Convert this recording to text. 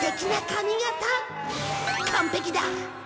完璧だ。